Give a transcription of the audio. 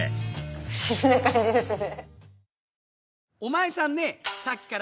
不思議な感じですね。